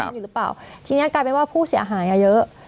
อยู่หรือเปล่าทีนี้กลายเป็นว่าผู้เสียหายอ่ะเยอะ